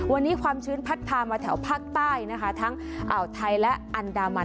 วันนี้ความชื้นพัดพามาแถวภาคใต้นะคะทั้งอ่าวไทยและอันดามัน